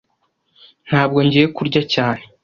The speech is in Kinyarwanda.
Ntabwo ngiye kurya cyane.